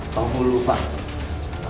pak bulu pak